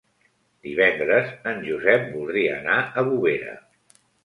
Divendres en Josep voldria anar a Bovera.